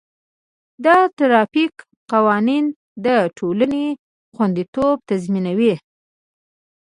د ټرافیک قوانین د ټولنې خوندیتوب تضمینوي.